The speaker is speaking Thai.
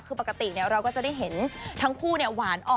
คือปกติเนี่ยเราก็จะได้เห็นทั้งคู่เนี่ยหวานออกฮือ